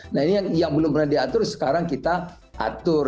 nah ini yang belum pernah diatur sekarang kita atur